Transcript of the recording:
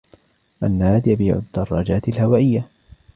منّاد يبيع الدّرّاجات الهوائيّة.